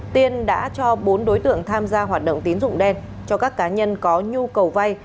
tiên đã cho bốn đối tượng tham gia hoạt động tín dụng đen cho các cá nhân có nhu cầu vay